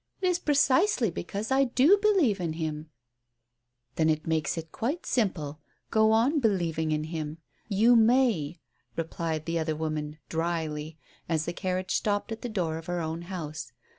It is precisely because I do believe in him " "Then it makes it quite simple — go on believing in him. You may," replied the other woman, drily, as the carriage stopped at the door of her own house.